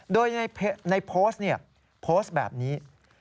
โดยในโพสต์แบบนี้